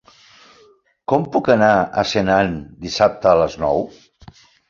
Com puc anar a Senan dissabte a les nou?